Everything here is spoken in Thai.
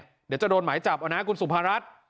เดี๋ยวจะโดนหมายจับเอานะคุณสุภารัฐ